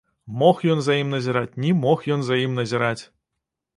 Мог ён за ім назіраць, не мог ён за ім назіраць.